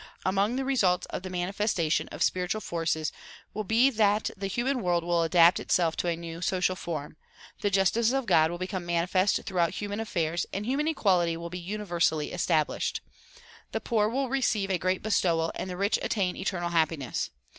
Among the results of the manifestation of spiritual forces will be that the human world will adapt itself to a new social form, the justice of God will become manifest throughout human affairs and human equality will be universally established. The poor will receive a great bestowal and the rich attain eternal happiness.